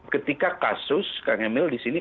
ketika kasus kang emil di sini